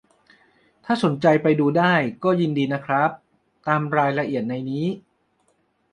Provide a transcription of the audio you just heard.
ถ้าสนใจไปช่วยดูได้ก็ยินดีนะครับ ตามรายละเอียดในนี้